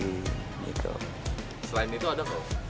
selain itu ada